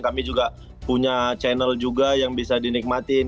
kami juga punya channel juga yang bisa dinikmatin